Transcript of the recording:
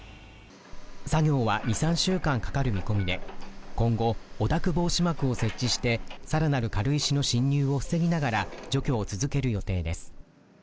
作業は２３週間かかる見込みで、今後、汚濁防止膜を設置して更なる軽石の侵入を防ぎながら除去を続ける予定です。